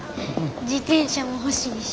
自転車も欲しいし。